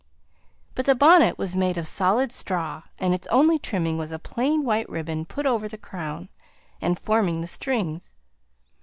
But the bonnet was made of solid straw, and its only trimming was a plain white ribbon put over the crown, and forming the strings.